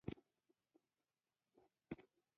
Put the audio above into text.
دوی غوښتل نور د دوی له خوړو خبر شي.